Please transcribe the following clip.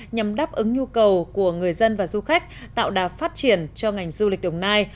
nhằm đáp ứng nhu cầu của người dân và du khách tạo đà phát triển cho ngành du lịch đồng nai